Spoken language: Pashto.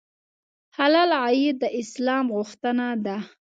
حلال عاید د اسلام غوښتنه ده.